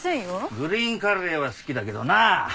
グリーンカレーは好きだけどな。